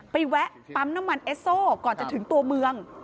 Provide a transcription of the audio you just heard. แวะปั๊มน้ำมันเอสโซก่อนจะถึงตัวเมือง